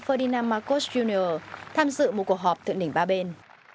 ferdinand marcos jr tham dự một cuộc họp thượng đỉnh ba bên